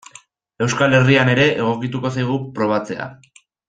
Euskal Herrian ere egokituko zaigu probatzea.